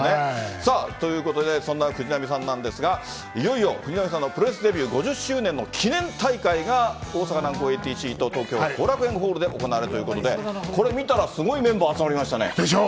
さあ、ということで、そんな藤波さんなんですが、いよいよ藤波さんのプロレスデビュー５０周年の記念大会が大阪・南港ＡＴＣホールと東京・後楽園ホールで行われるということで、これ見たら、すごいメンバー集まりましたね。でしょう。